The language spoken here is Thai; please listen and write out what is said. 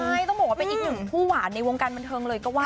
ใช่ต้องบอกว่าเป็นอีกหนึ่งคู่หวานในวงการบันเทิงเลยก็ว่า